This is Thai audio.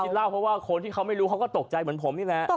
เล่าเพราะว่าคนที่เขาไม่รู้เขาก็ตกใจเหมือนผมนี่แหละ